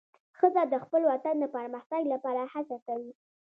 ښځه د خپل وطن د پرمختګ لپاره هڅه کوي.